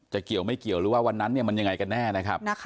เกี่ยวไม่เกี่ยวหรือว่าวันนั้นเนี่ยมันยังไงกันแน่นะครับ